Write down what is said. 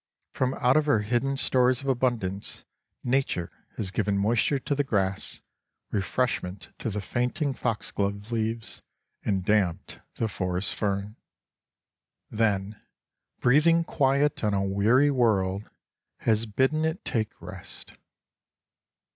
From out her hidden stores of abundance, Nature has given moisture to the grass, refreshment to the fainting foxglove leaves, and damped the forest fern. Then, breathing quiet on a weary world, has bidden it take rest.